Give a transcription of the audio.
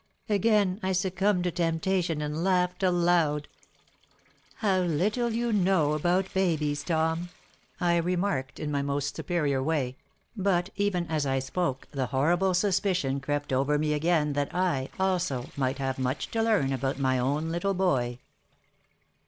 Again I succumbed to temptation and laughed aloud. "How little you know about babies, Tom," I remarked, in my most superior way; but even as I spoke the horrible suspicion crept over me again that I, also, might have much to learn about my own little boy.